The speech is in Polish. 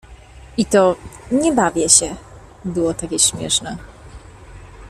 I to: „nie bawię się” było takie śmieszne.